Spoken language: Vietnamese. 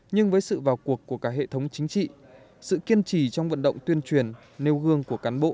nhưng với sự vào cuộc của cả hệ thống chính trị sự kiên trì trong vận động tuyên truyền nêu gương của cán bộ